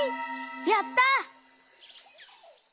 やった！